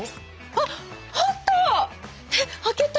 あっあった！